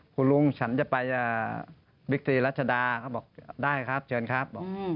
คุณลุงฉันจะไปบิ๊กตีรัชดาเขาบอกได้ครับเชิญครับ